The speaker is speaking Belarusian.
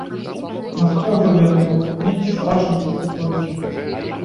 А хто яго ведае, нейкі стражнік, і толькі.